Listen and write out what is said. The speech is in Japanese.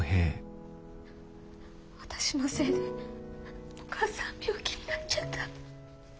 私のせいでお母さん病気になっちゃった。